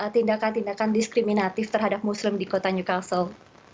tindakan tindakan diskriminatif terhadap muslim di kota newcausel